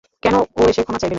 কেন, ও এসে ক্ষমা চাইবে না?